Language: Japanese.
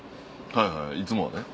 はいはいいつもはね。